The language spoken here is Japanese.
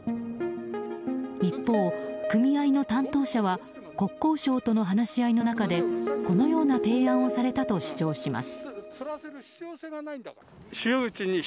一方、組合の担当者は国交省との話し合いの中でこのような提案をされたと主張します。